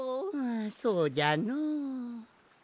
そうじゃのう。